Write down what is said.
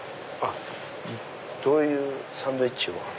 どういうサンドイッチを？